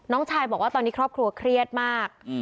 ชายบอกว่าตอนนี้ครอบครัวเครียดมาก